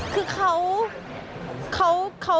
คือเขา